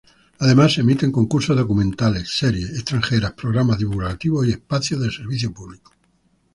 Además se emiten concursos, documentales, series extranjeras, programas divulgativos y espacios de servicio público.